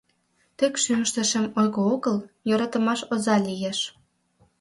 Тек шӱмыштӧ шем ойго огыл, Йӧратымаш оза лиеш.